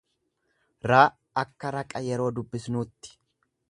r akka raqa yeroo dubbisnuutti.